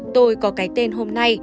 tôi có cái tên hôm nay